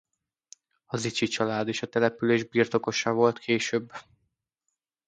A Zichy család is a település birtokosa volt később.